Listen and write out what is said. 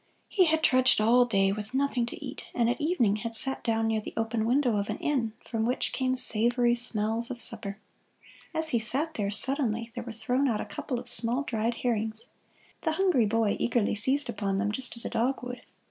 He had trudged all day, with nothing to eat, and at evening had sat down near the open window of an inn, from which came savory smells of supper. As he sat there, suddenly there were thrown out a couple of small dried herrings. The hungry boy eagerly seized upon them, just as a dog would.